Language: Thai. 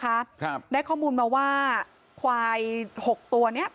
ครับได้ข้อมูลมาว่าควายหกตัวเนี้ย